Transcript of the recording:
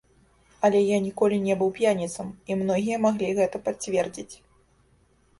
Але я ніколі не быў п'яніцам, і многія маглі гэта пацвердзіць.